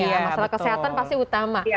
masalah kesehatan pasti utama